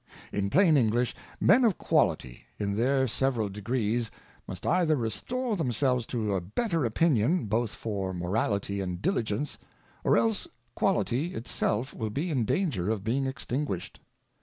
In plain English, Men of Quality in their several Degrees must either restore themselves to a better Opinion, both for Morality and Diligence, or else Quality it self will be in danger of being extinguished.